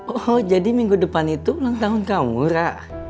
oh jadi minggu depan itu ulang tahun kamu rara